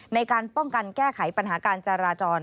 ในการป้องกันแก้ไขปัญหาการจราจร